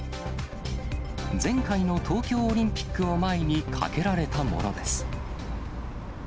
前回の東京オリンピックを前に架けられたものです。